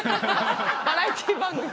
バラエティー番組とかで？